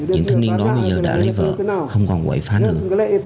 những thanh niên đó bây giờ đã lấy vợ không còn quậy phá nữa